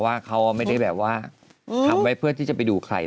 ว่าไม่ได้ทำเพื่อนอะไรจะไปดูใคร